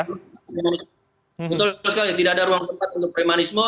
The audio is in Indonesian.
betul sekali tidak ada ruang tempat untuk premanisme